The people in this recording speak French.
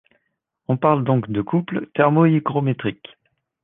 On parle donc de couple thermohygrométrique.